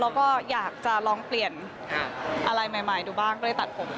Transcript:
แล้วก็อยากจะลองเปลี่ยนอะไรใหม่ดูบ้างก็เลยตัดผม